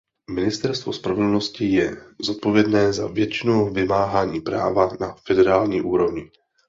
Ministerstvo spravedlnosti je zodpovědné za většinu vymáhání práva na federální úrovni.